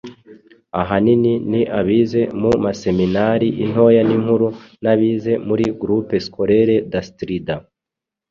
Ahanini ni abize mu maseminari (intoya n'inkuru) n'abize muri Groupe Scolaire d'Astrida.